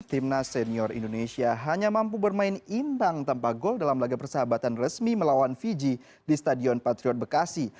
timnas senior indonesia hanya mampu bermain imbang tanpa gol dalam laga persahabatan resmi melawan fiji di stadion patriot bekasi